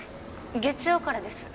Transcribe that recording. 月曜からです。